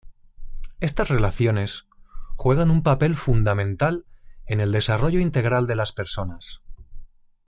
Estas relaciones juegan un papel fundamental en el desarrollo integral de las personas.